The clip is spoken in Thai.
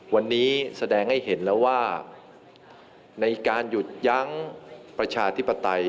วันนี้แสดงให้เห็นแล้วว่าในการหยุดยั้งประชาธิปไตย